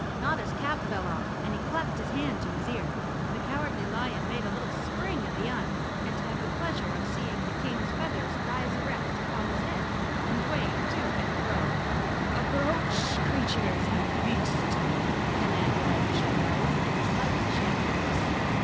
Notta's cap fell off and he clapped his hand to his ear. The Cowardly 137 The Cowardly Lion of Oz Lion made a little spring at the Un and had the pleas¬ ure of seeing the King's feathers rise erect upon his head and wave to and fro. "Approach, creatures and beast," commanded I wish I was in a slightly shaky voice.